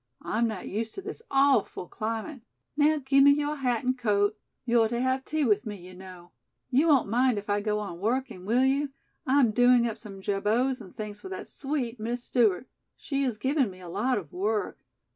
I'm not used to this awful climate. Now, give me your hat and coat. You're to have tea with me, you know. You won't mind if I go on working, will you? I'm doing up some jabots and things for that sweet Miss Stewart. She has given me a lot of work.